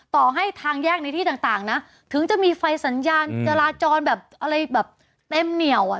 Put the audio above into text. ต่อให้ทางแยกในที่ต่างนะถึงจะมีไฟสัญญาณจราจรแบบเต้มเหนี่ยว